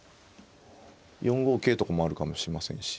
４五桂とかもあるかもしれませんし。